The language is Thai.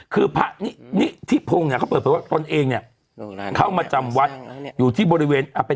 คือพระนิทิพงศ์เนี่ยเขาเปิดเผยว่าตนเองเนี่ยเข้ามาจำวัดอยู่ที่บริเวณ